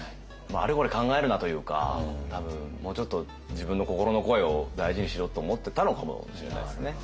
あれこれ考えるなというか多分もうちょっと自分の心の声を大事にしろと思ってたのかもしれないですね。